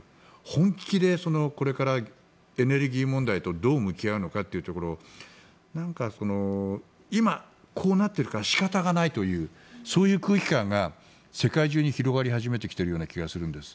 本気でこれからエネルギー問題とどう向き合うのかというところをなんか今、こうなっているから仕方がないというそういう空気感が世界中に広がり始めてきているような気がするんです。